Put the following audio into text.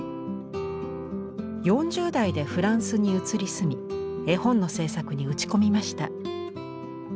４０代でフランスに移り住み絵本の制作に打ち込みました。